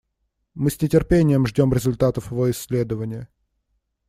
Мы с нетерпением ждем результатов его исследования.